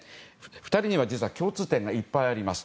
２人には実は共通点がいっぱいあります。